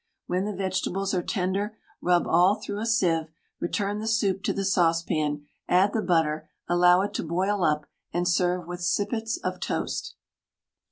When the vegetables are tender, rub all through a sieve, return the soup to the saucepan, add the butter, allow it to boil up, and serve with sippets of toast.